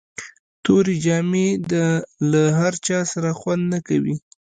توري جامي د له هر چا سره خوند نه کوي.